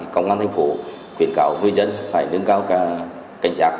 công an thành phố khuyến khảo người dân phải nâng cao cảnh trạng